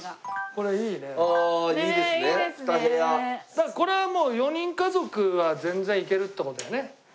だからこれはもう４人家族は全然いけるって事よね。